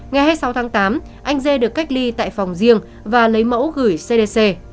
ngày hai mươi sáu tháng tám anh dê được cách ly tại phòng riêng và lấy mẫu gửi cdc